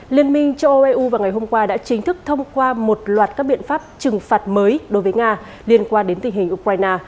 liên minh châu âu eu vào ngày hôm qua đã chính thức thông qua một loạt các biện pháp trừng phạt mới đối với nga liên quan đến tình hình ukraine